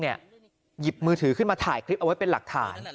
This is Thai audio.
หยิบมือถือขึ้นมาถ่ายคลิปเอาไว้เป็นหลักฐาน